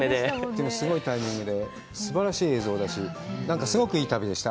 でもすごいタイミングで、すばらしい映像だし、すごくいい旅でした。